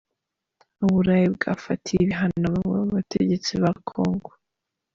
U Burayi bwafatiye ibihano bamwe mu bategetsi ba Kongo .